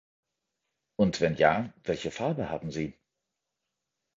Und wenn ja, welche Farbe haben sie?